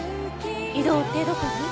異動ってどこに？